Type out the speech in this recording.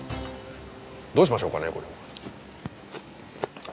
どうしましょうかねこれ。